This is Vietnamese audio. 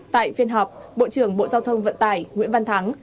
tại phiên họp bộ trưởng bộ giao thông vận tải nguyễn văn thắng